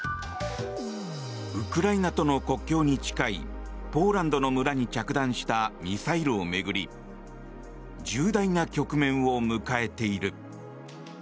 ウクライナとの国境に近いポーランドの村に着弾したミサイルを巡り重大な局面を迎えている。